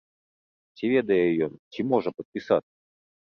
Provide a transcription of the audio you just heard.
Ці ведае ён, ці можа падпісацца?